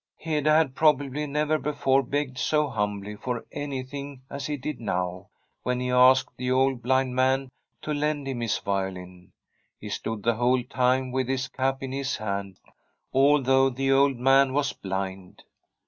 Hede had probably never before begged so humbly for anything as he did now, when he asked the old blind man to lend him his violin. He stood the whole time with his cap in his hand, although the old man was blind.